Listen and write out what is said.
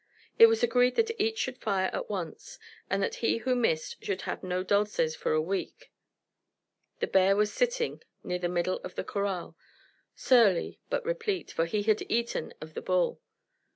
It was agreed that each should fire at once, and that he who missed should have no dulces for a week. The bear was sitting near the middle of the corral, surly but replete, for he had eaten of the bull.